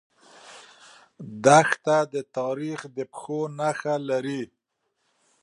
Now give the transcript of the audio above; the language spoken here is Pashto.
دښته د تاریخ د پښو نخښه لري.